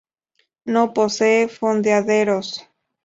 No posee fondeaderos.